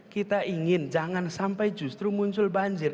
kita ingin jangan sampai justru muncul banjir